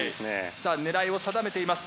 さあ狙いを定めています。